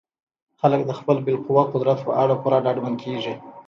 خلک د خپل بالقوه قدرت په اړه پوره ډاډمن کیږي.